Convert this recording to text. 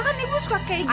kan ibu suka kayak gitu